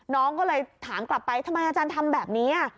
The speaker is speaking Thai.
น้องก็เลยถามกลับไปทำไมอาจารย์ทำแบบนี้